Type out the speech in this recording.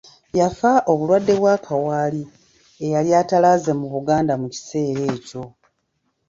Yafa obulwadde bwa kawaali eyali atalaaze mu Buganda mu kiseera ekyo.